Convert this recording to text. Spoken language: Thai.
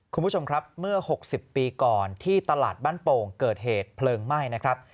คุณผู้ชมครับเมื่อ๖๐ปีก่อนที่ตลาดบ้านโป่งเกิดเหตุเพลิงไหม้นะครับ